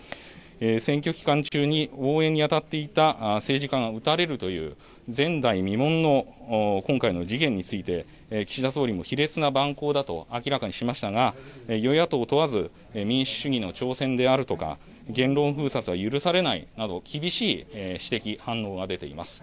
選挙期間中に応援にあたっていた政治家が撃たれるという前代未聞の今回の事件について岸田総理も卑劣な蛮行だと明らかにしましたが、与野党問わず民主主義の挑戦であるとか、言論封殺は許されないなど厳しい指摘、反応が出ています。